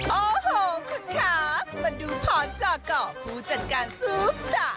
โอ้โหคุณค่ะมาดูพอร์ตจ่อก่อผู้จัดการซูปส่ะ